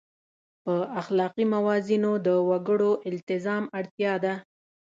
په اخلاقي موازینو د وګړو التزام اړتیا ده.